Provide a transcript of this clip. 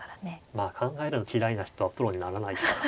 まあ考えるの嫌いな人はプロにならないから。